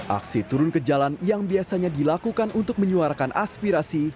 aksi turun ke jalan yang biasanya dilakukan untuk menyuarakan aspirasi